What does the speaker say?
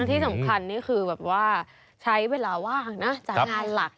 ที่สำคัญนี่คือแบบว่าใช้เวลาว่างนะจากงานหลัก